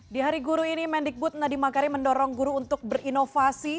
di hari guru ini mendikbud nadiem makarim mendorong guru untuk berinovasi